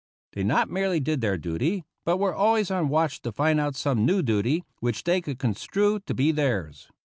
They not merely did their duty, but were always on the watch to find out some new duty which they could construe to be theirs.